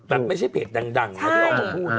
แบบไม่ใช่เพจดังออกมาพูด